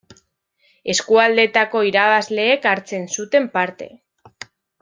Eskualdetako irabazleek hartzen zuten parte.